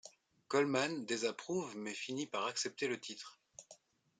Coleman désapprouve mais finit par accepter le titre.